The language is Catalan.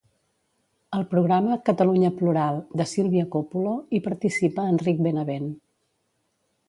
Al programa "Catalunya Plural", de Silvia Coppulo, hi participa Enric Benavent.